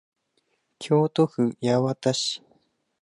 京都府八幡市